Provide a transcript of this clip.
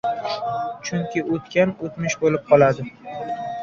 Chunki o‘tgan o‘tmish bo‘lib qoladi.